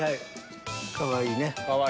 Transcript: かわいいね。